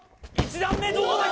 １段目どうだ？